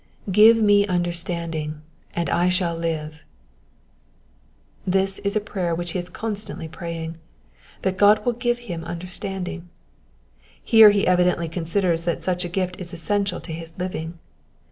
^^Give me understanding, and I shall live,'*'* This is a prayer which he is constantly praying, that God will give him understanding. Here he evidently considers that such a gift is essential to his living.